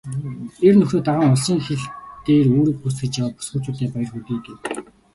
"Эр нөхрөө даган улсын хил дээр үүрэг гүйцэтгэж яваа бүсгүйчүүддээ баяр хүргэе" гэв.